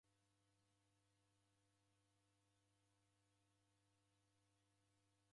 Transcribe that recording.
Kifwa chape chaw'aw'e w'andu w'engi.